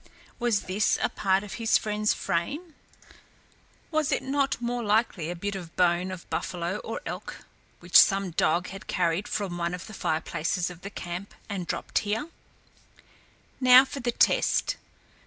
Was this a part of his friend's frame? Was it not more likely a bit of bone of buffalo or elk, which some dog had carried from one of the fireplaces of the camp and dropped here? Now for the test.